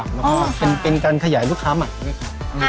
ก็เป็นการขยายลูกมาขึ้น